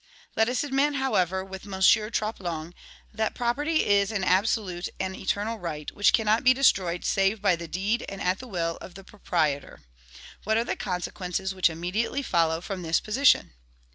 Let us admit, however, with M. Troplong, that property is an absolute and eternal right, which cannot be destroyed save by the deed and at the will of the proprietor. What are the consequences which immediately follow from this position?